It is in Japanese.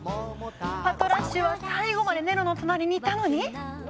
パトラッシュは最後までネロの隣にいたのに？